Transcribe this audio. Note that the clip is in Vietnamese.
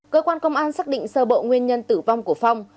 cơ quan công an xác định sơ bộ nguyên nhân tử vong của phong